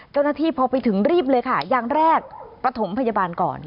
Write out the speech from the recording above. เจ้าหน้าที่พอไปถึงรีบเลยค่ะอย่างแรกประถมพยาบาลก่อน